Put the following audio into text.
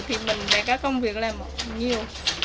thì mình để các công việc làm nhiều